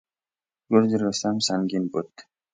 گرز رستم سنگین بود.